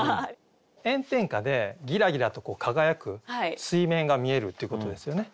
炎天下でぎらぎらと輝く水面が見えるっていうことですよね。